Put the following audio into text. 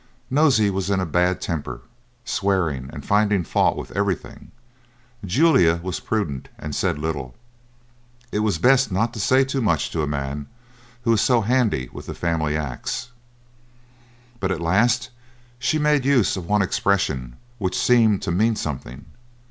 Nosey was in a bad temper, swearing and finding fault with everything. Julia was prudent and said little; it was best not to say too much to a man who was so handy with the family axe. But at last she made use of one expression which seemed to mean something.